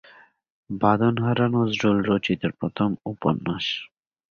বাঁধন হারা নজরুল রচিত প্রথম উপন্যাস।